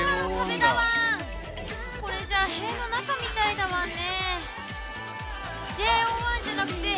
これじゃ塀の中みたいだワンね。